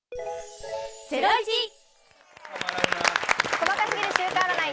細かすぎる週間占い。